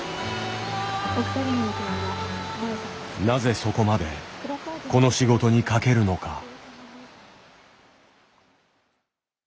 なぜそこまでこの仕事に懸けるのか。